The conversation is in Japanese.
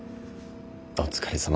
お疲れさま。